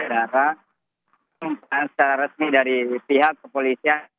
adalah pertanyaan secara resmi dari pihak kepolisian